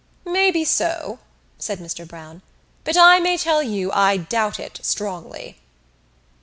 "Maybe so," said Mr Browne. "But I may tell you I doubt it strongly."